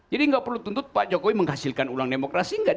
jadi gak perlu tuntut pak jokowi menghasilkan ulang demokrasi enggak